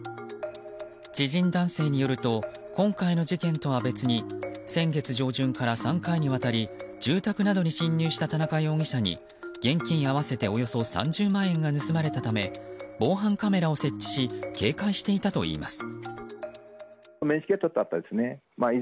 知人男性によると今回の事件とは別に先月上旬から３回にわたり住宅などに侵入した田中容疑者に現金合わせておよそ３０万円が盗まれたため防犯カメラを設置し警戒していたといいます。